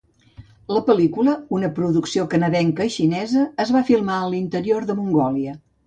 La pel·lícula, una producció canadenca i xinesa, es va filmar al interior de Mongòlia.